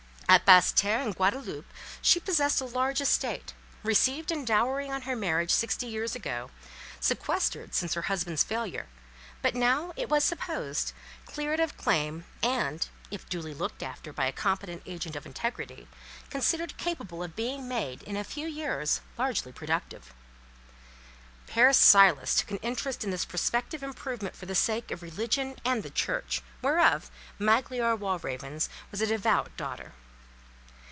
At Basseterre, in Guadaloupe, she possessed a large estate, received in dowry on her marriage sixty years ago, sequestered since her husband's failure; but now, it was supposed, cleared of claim, and, if duly looked after by a competent agent of integrity, considered capable of being made, in a few years, largely productive. Père Silas took an interest in this prospective improvement for the sake of religion and the church, whereof Magliore Walravens was a devout daughter.